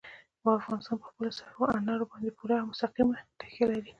افغانستان په خپلو سرو انارو باندې پوره او مستقیمه تکیه لري.